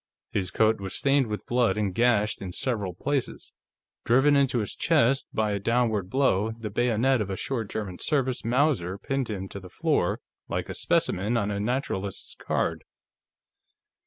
His coat was stained with blood and gashed in several places; driven into his chest by a downward blow, the bayonet of a short German service Mauser pinned him to the floor like a specimen on a naturalist's card.